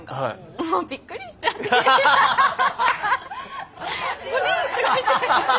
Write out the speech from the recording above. もうびっくりしちゃって。